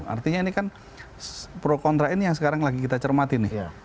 artinya ini kan pro kontra ini yang sekarang lagi kita cermati nih